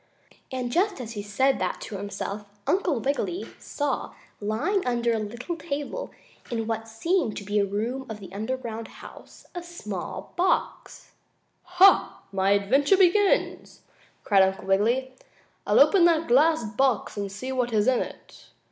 And just as he said that to himself, Uncle Wiggily saw, lying under a little table, in what seemed to be a room of the underground house, a small glass box. "Ha! My adventure begins!" cried Uncle Wiggily. "I'll open that glass box and see what is in it."